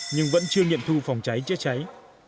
nhưng vẫn chưa nghiệm thu phòng cháy chữa cháy